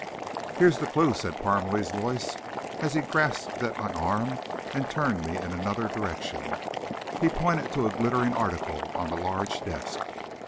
"Here's the clue," said Parmelee's voice, as he grasped my arm and turned me in another direction. He pointed to a glittering article on the large desk.